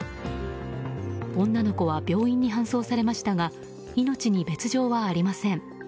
女の子は病院に搬送されましたが命に別条はありません。